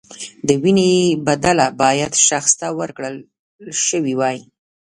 د وینې بدله باید شخص ته ورکړل شوې وای.